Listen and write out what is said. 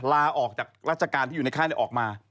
ลาออกจากราชการที่อยู่ในค่ายออกมา